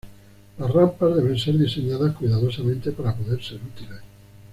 Las rampas deben ser diseñadas cuidadosamente para poder ser útiles.